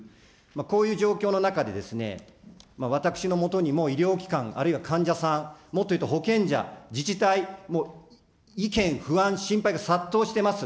こういう状況の中で、私のもとにも医療機関あるいは患者さん、もっというと保険者、自治体、意見、不安、心配が殺到しています。